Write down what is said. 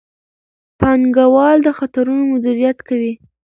پانګوال د خطرونو مدیریت کوي.